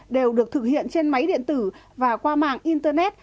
đều được thực hiện trên máy điện tử và qua mạng internet